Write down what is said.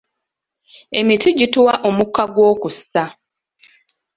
Emiti gituwa omukka gw'okussa.